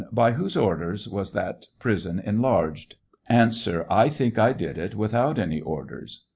By whose orders was that prison enlarged 1 A. I think I did it without any orders.